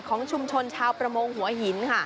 ของชุมชนชาวประมงหัวหินค่ะ